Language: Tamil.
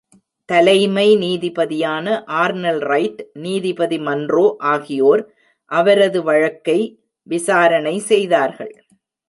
தலைமை நீதிபதியான ஆர்னால் ரைட், நீதிபதி மன்றோ ஆகியோர் அவரது வழக்கை விசாரணை செய்தார்கள்.